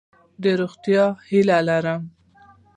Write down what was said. د روغتیا هیله لرم.